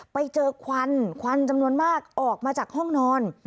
ไปเจอควันควันจำนวนมากออกมาจากห้องนอน